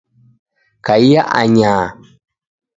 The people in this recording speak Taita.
Kaia anyaha